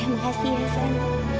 makasih ya aksan